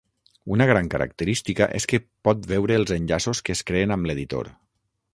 Una gran característica és que pot veure els enllaços que es creen amb l'editor.